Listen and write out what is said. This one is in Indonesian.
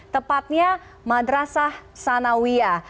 tepatnya madrasah sanawiya